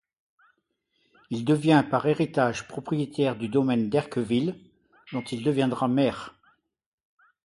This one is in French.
Il devient par héritage propriétaire du domaine d'Herqueville dont il deviendra maire.